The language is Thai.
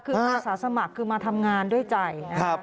คืองคศสมัครคือมาทำงานด้วยใจ